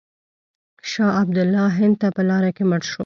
شاه عبدالله هند ته په لاره کې مړ شو.